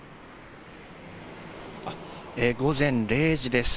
午前０時です。